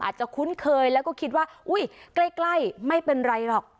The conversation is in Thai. คุ้นเคยแล้วก็คิดว่าอุ้ยใกล้ไม่เป็นไรหรอก